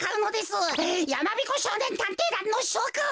やまびこしょうねんたんていだんのしょくん！